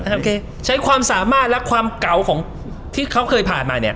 โอเคใช้ความสามารถและความเก่าของที่เขาเคยผ่านมาเนี่ย